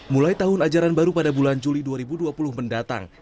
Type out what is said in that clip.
mulai tahun ajaran baru pada bulan juli dua ribu dua puluh mendatang